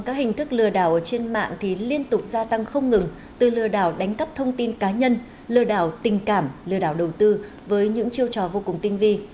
các hình thức lừa đảo trên mạng liên tục gia tăng không ngừng từ lừa đảo đánh cắp thông tin cá nhân lừa đảo tình cảm lừa đảo đầu tư với những chiêu trò vô cùng tinh vi